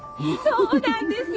そうなんです！